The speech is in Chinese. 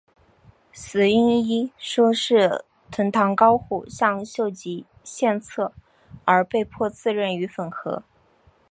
死因一说是藤堂高虎向秀吉献策而被迫自刃于粉河。